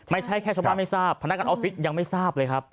ไม่ใช่แค่ชาวบ้านไม่ทราบพนักงานออฟฟิศยังไม่ทราบเลยครับ